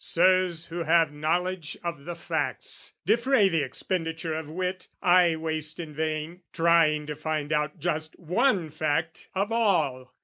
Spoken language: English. " Sirs, who have knowledge of the facts, defray "The expenditure of wit, I waste in vain, "Trying to find out just one fact of all!